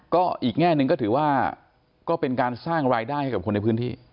ก็อีกแง่หนึ่งก็ถือว่าก็เป็นการสร้างรายได้ให้กับคนในพื้นที่